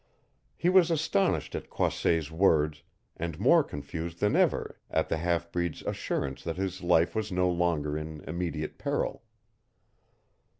He was astonished at Croisset's words and more confused than ever at the half breed's assurance that his life was no longer in immediate peril.